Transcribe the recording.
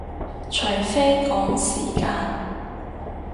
除非趕時間